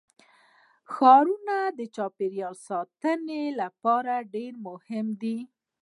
ښارونه د چاپیریال ساتنې لپاره ډېر مهم دي.